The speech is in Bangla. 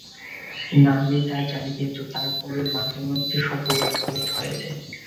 না, আমি তা জানি, কিন্ত তারপরেও মাঝেমধ্যে সব ওলটপালট হয়ে যায়।